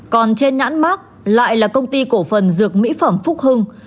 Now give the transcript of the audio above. còn trên nhãn mát lại là công ty cổ phần dược mỹ phẩm phúc hưng